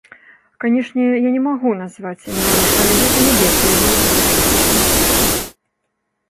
Канечне, я не магу назваць імёны, але гэта нябедныя людзі, так скажам.